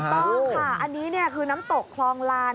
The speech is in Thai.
ต้องค่ะอันนี้คือน้ำตกคลองลาน